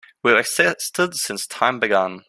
We've existed since time began.